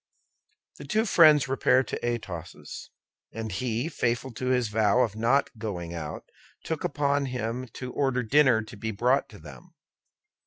The two friends repaired to Athos's, and he, faithful to his vow of not going out, took upon him to order dinner to be brought to them.